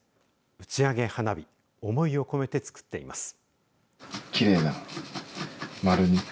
打ち上げ花火思いを込めて作っています。